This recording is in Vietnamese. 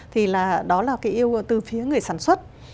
thì là đó là cái yêu từ phía người sản xuất